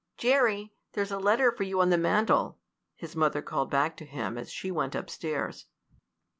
"Jerry! there's a letter for you on the mantel," his mother called back to him as she went upstairs.